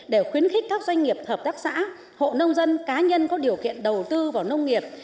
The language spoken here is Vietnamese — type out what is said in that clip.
để khuyến khích các doanh nghiệp hợp tác xã hộ nông dân cá nhân có điều kiện đầu tư vào nông nghiệp